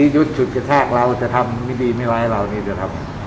ยึดฉุดกระทากเราจะทำไม่ดีไม่ร้ายเราจะทำ